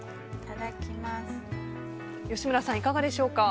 吉村さん、いかがでしょうか。